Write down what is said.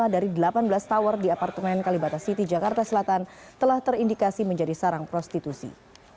lima dari delapan belas tower di apartemen kalibata city jakarta selatan telah terindikasi menjadi sarang prostitusi